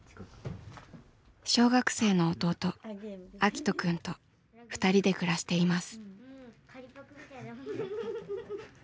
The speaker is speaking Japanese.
小学生の弟あきと君と２人で暮らしています。